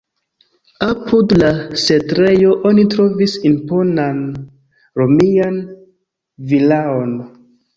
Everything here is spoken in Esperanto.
Apud la setlejo oni trovis imponan romian vilaon.